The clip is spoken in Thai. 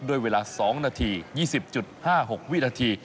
ด้วยเวลา๒นาที๒๐๕๖วินาที